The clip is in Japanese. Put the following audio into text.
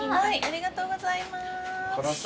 ありがとうございます。